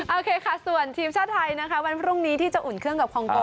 โอเคค่ะส่วนทีมชาติไทยนะคะวันพรุ่งนี้ที่จะอุ่นเครื่องกับคองโก